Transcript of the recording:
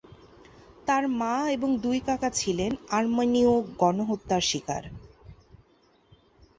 তার মা এবং দুই কাকা ছিলেন আর্মেনীয় গণহত্যার শিকার।